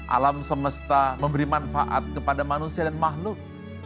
alam semesta memberi manfaat kepada manusia dan makhluk